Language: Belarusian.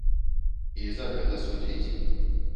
І за гэта судзіць?